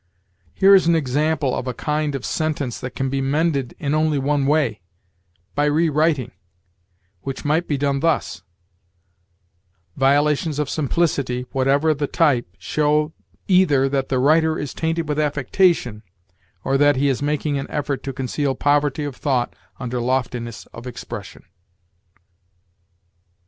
Here is an example of a kind of sentence that can be mended in only one way by rewriting, which might be done thus: Violations of simplicity, whatever the type, show either that the writer is tainted with affectation, or that he is making an effort to conceal poverty of thought under loftiness of expression.